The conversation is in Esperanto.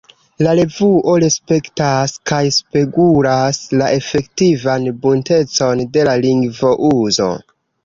La revuo respektas kaj spegulas la efektivan buntecon de la lingvouzo.